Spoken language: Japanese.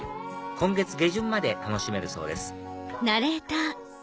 今月下旬まで楽しめるそうです